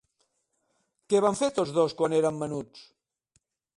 Què van fer tots dos quan eren menuts?